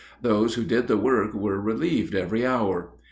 Those who did the work were relieved every hour.